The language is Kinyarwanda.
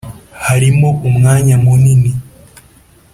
hariho umwanya munini;